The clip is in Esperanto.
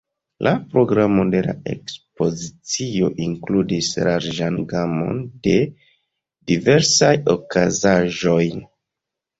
La programo de la ekspozicio inkludis larĝan gamon de diversaj okazaĵoj.